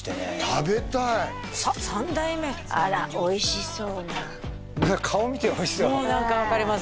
食べたい３代目あらおいしそうな顔見ておいしそうもう何か分かります